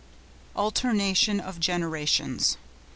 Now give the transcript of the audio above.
ALTERNATION OF GENERATIONS.